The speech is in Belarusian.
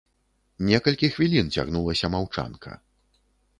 Некалькі хвілін цягнулася маўчанка.